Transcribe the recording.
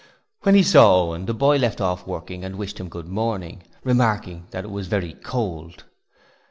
When he saw Owen, the boy left off working and wished him good morning, remarking that it was very cold.